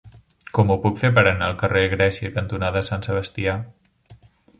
Com ho puc fer per anar al carrer Grècia cantonada Sant Sebastià?